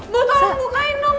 bu tolong bukain dong